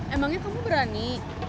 emangnya kamu berani